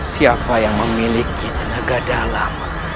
siapa yang memiliki tenaga dalam